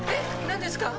何ですか？